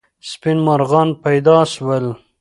سپین مرغان پیدا سول.